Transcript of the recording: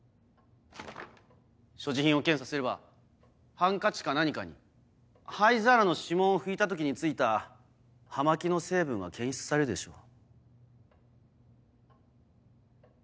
所持品を検査すればハンカチか何かに灰皿の指紋を拭いた時に付いた葉巻の成分が検出されるでしょう。